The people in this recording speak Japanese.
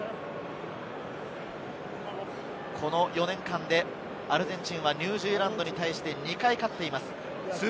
この４年間でアルゼンチンはニュージーランドに対して２回勝っています。